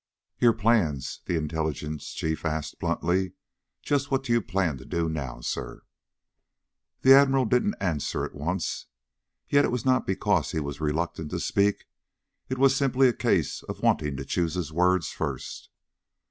"Your plans," the Intelligence Chief asked bluntly. "Just what do you plan to do now, sir?" The Admiral didn't answer at once. Yet it was not because he was reluctant to speak. It was simply a case of wanting to choose his words first.